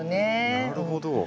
なるほど。